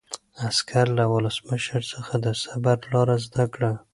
عسکر له ولسمشر څخه د صبر لاره زده کړه.